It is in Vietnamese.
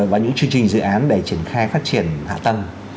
và những chương trình dự án để triển khai phát triển hạ tầng